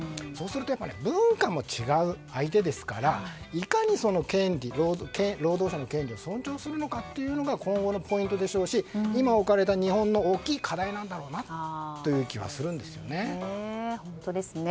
そうするとやっぱり文化も違う相手ですからいかに労働者の権利を尊重するのかというのが今後のポイントでしょうし今、置かれた日本の大きい課題なんだろうなという気はするんですよね。